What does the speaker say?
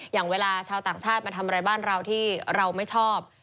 อย่างเวลาชาวต่างชาติมาทำอะไรบ้านเราที่เราไม่ชอบ